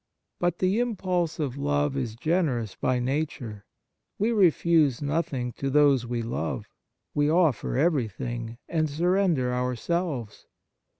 But the impulse of love is generous by nature. We refuse nothing to those we love; we offer everything, and surrender ourselves.